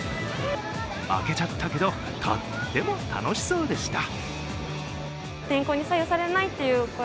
負けちゃったけど、とっても楽しそうでした。